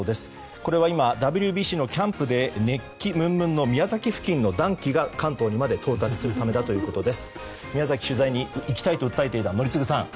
これは今ＷＢＣのキャンプで熱気ムンムンの宮崎付近の暖気が関東にまで到達するためだということです。